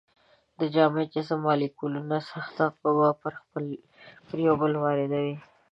د جامد جسم مالیکولونه سخته قوه پر یو بل واردوي.